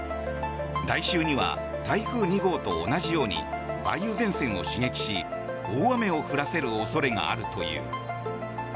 来週には台風２号と同じように梅雨前線を刺激し大雨を降らせる恐れがあるという。